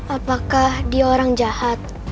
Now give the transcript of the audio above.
apakah dia orang jahat